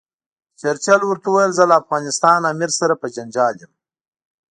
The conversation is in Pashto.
چرچل ورته وویل زه له افغانستان امیر سره په جنجال یم.